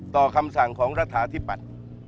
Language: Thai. ต่อคำสั่งของรัฐาที่ปัด